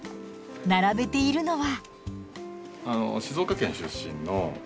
並べているのは。